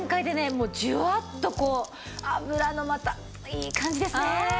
もうジュワッとこう脂のまたいい感じですねえ。